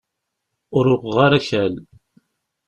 Ur uɣeɣ ara akal.